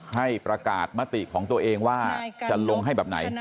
ให้ประกาศมติของตัวเองว่าจะลงให้แบบไหน